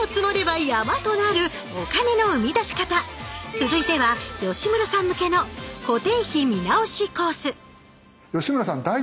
続いては吉村さん向けの「固定費見直しコース」